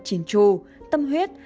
chỉn trù tâm huyết